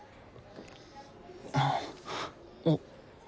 あっ。